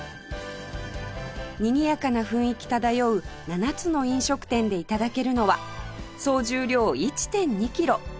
にぎやかな雰囲気漂う７つの飲食店で頂けるのは総重量 １．２ キロ！